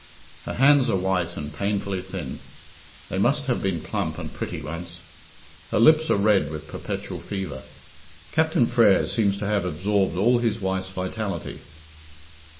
Her hands are white and painfully thin. They must have been plump and pretty once. Her lips are red with perpetual fever. Captain Frere seems to have absorbed all his wife's vitality.